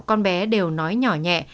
con bé đều nói nhỏ nhẹ